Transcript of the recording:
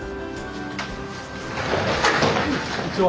こんにちは。